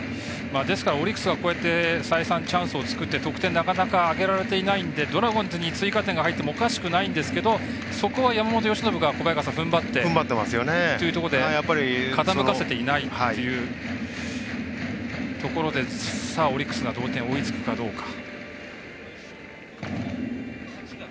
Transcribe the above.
ですから、オリックスは再三チャンスを作って得点、なかなか挙げられていないのでドラゴンズに追加点が入ってもおかしくないんですがそこは、山本由伸がふんばってというところで傾かせていないというところでオリックスが同点に追いつくかどうか。